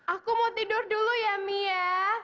aku mau tidur dulu ya mi ya